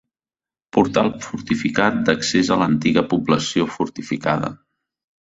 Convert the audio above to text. Portal fortificat d'accés a l'antiga població fortificada.